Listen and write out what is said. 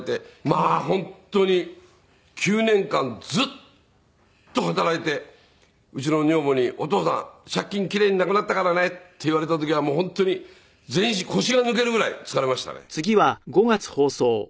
まあ本当に９年間ずっと働いてうちの女房に「お父さん借金奇麗になくなったからね」って言われた時はもう本当に腰が抜けるぐらい疲れましたね。